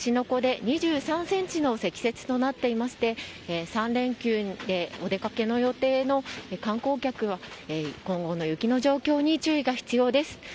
湖で２３ｃｍの積雪となっていまして３連休でお出かけの予定の観光客の皆さんは今後の雪の状況に注意が必要です。